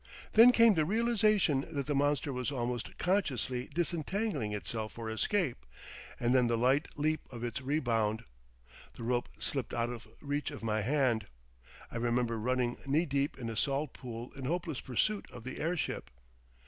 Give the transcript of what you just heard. Then came the realisation that the monster was almost consciously disentangling itself for escape, and then the light leap of its rebound. The rope slipped out of reach of my hand. I remember running knee deep in a salt pool in hopeless pursuit of the airship.